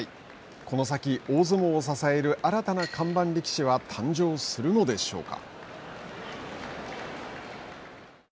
この先、大相撲を支える新たな看板力士は誕生するのでしょうか。